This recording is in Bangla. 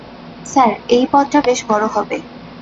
স্যার এই পথটা বেশ বড় হবে।